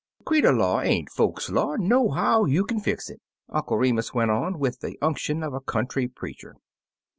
"Creetur law ain't folks' law, nohow you kin fix it," Uncle Remus went on, with the unction of a country preacher.